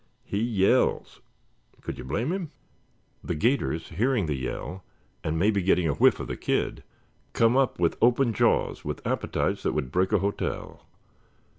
He yells could you blame him? The 'gators, hearing the yell, and maybe getting a whiff of the kid, come up with open jaws with appetites that would break a hotel.